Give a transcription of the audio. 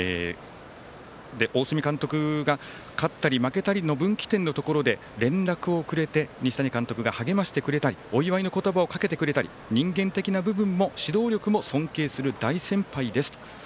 大角監督が勝ったり負けたりの分岐点のところで連絡をくれて、西谷監督が励ましてくれたりお祝いの言葉をかけてくれたり人間的な部分も指導力も尊敬する大先輩ですと。